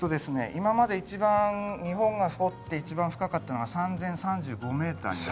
今まで一番日本が掘って一番深かったのが３０３５メーターになります。